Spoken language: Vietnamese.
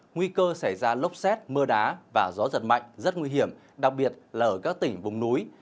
nguy cơ xảy ra lốc xét mưa đá và gió giật mạnh rất nguy hiểm đặc biệt là ở các tỉnh vùng núi